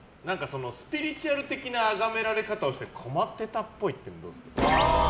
スピリチュアル的なあがめられ方をして困ってたっぽいっていうのどうですか。